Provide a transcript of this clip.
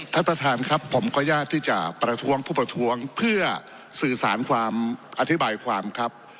ท่านประธานครับผมขออนุญาตที่จะประท้วงผู้ประท้วงเพื่อสื่อสารความอธิบายความครับ